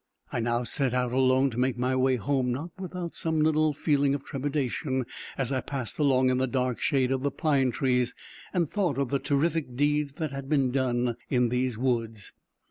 I now set out alone, to make my way home, not without some little feeling of trepidation, as I passed along in the dark shade of the pine trees, and thought of the terrific deeds that had been done in these woods.